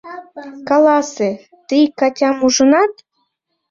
Каласе, тый Катям ужынат?